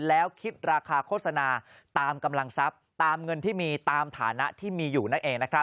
แล้วคิดราคาโฆษณาตามกำลังทรัพย์ตามเงินที่มีตามฐานะที่มีอยู่นั่นเองนะครับ